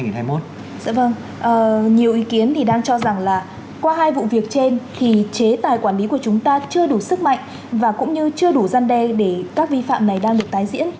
nhiều ý kiến thì đang cho rằng là qua hai vụ việc trên thì chế tài quản lý của chúng ta chưa đủ sức mạnh và cũng như chưa đủ gian đe để các vi phạm này đang được tái diễn